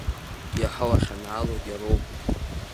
Иаҳа уахьанаалогь ароуп.